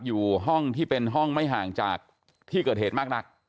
อยู่ห้องที่เป็นห้องไม่ห่างจากที่เกิดเหตุมากนัก